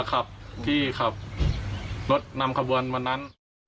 ที่ขับรถนำความบวลเมื่อนั้น